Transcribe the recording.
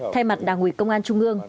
thay mặt đảng ủy công an trung ương